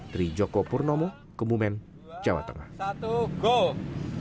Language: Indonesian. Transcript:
dari joko purnomo ke bumen jawa tengah